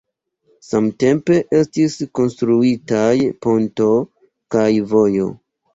Samtempe estis konstruitaj ponto kaj vojo.